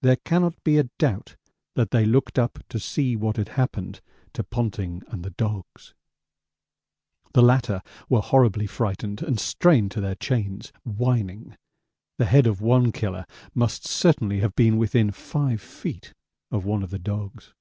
There cannot be a doubt that they looked up to see what had happened to Ponting and the dogs. The latter were horribly frightened and strained to their chains, whining; the head of one killer must certainly have been within 5 feet of one of the dogs.